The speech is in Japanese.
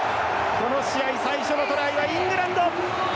この試合、最初のトライはイングランド！